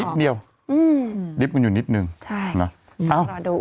นิดเดียวนิดกันอยู่นิดนึงใช่รอดู